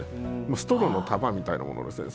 ストローの束みたいなものですね。